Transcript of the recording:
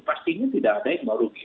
pastinya tidak ada yang mau rugi